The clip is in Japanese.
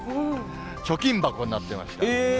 貯金箱になってました。